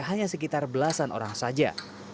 hanya sekitar belasan orang saja